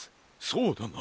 そうだな。